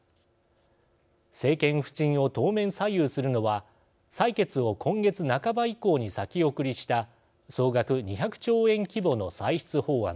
政権浮沈を当面左右するのは採決を今月半ば以降に先送りした総額２００兆円規模の歳出法案です。